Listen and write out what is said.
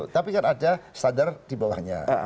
tapi kan ada standar di bawahnya